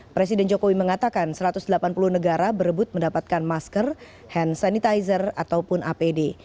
presiden jokowi mengatakan satu ratus delapan puluh negara berebut mendapatkan masker hand sanitizer ataupun apd